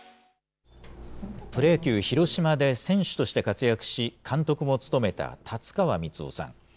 プロ野球・広島で選手として活躍し、監督も務めた達川光男さん。